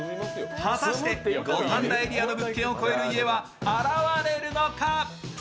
果たして五反田エリアの物件を超える家は現れるのか？